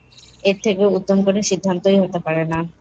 এর থেকে উত্তম কোন সিদ্ধান্তই হতে পারে না।